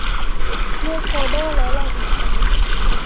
เลือกโฟลเดอร์และลองอีกครั้ง